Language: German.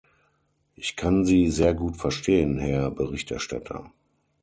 Ich kann Sie sehr gut verstehen, Herr Berichterstatter.